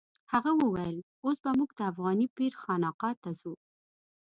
هغه وویل اوس به موږ د افغاني پیر خانقا ته ځو.